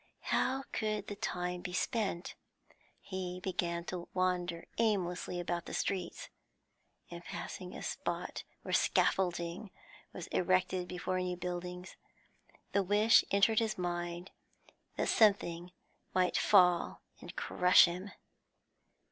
How could the time be spent? He began to wander aimlessly about the streets. In passing a spot where scaffolding was erected before new buildings, the wish entered his mind that something might fall and crush him.